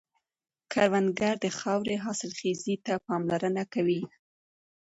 کروندګر د خاورې حاصلخېزي ته پاملرنه کوي